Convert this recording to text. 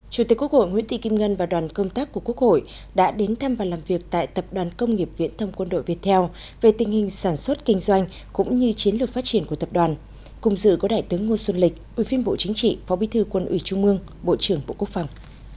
chủ tịch quốc hội nguyễn thị kim ngân và đoàn công tác của quốc hội đã đến thăm và làm việc tại tập đoàn công nghiệp viễn thông quân đội viettel về tình hình sản xuất kinh doanh cũng như chiến lược phát triển của tập đoàn cùng dự có đại tướng nguồn xuân lịch ubnd phó bí thư quân ủy trung mương bộ trưởng bộ quốc phòng